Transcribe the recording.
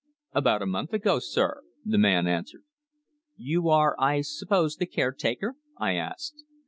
"About a month ago, sir," the man answered. "You are, I suppose, the caretaker?" I asked.